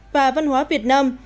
và văn hóa việt nam